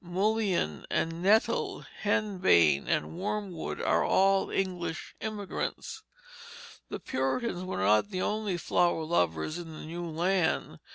Mullein and nettle, henbane and wormwood, all are English emigrants. The Puritans were not the only flower lovers in the new land.